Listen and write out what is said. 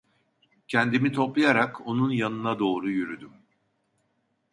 Kendimi toplayarak, onun yanına doğru yürüdüm.